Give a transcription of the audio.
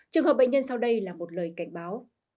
trường hợp bệnh nhân sau đây là một lời cảnh báo